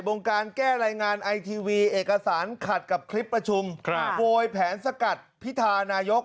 วงการแก้รายงานไอทีวีเอกสารขัดกับคลิปประชุมโวยแผนสกัดพิธานายก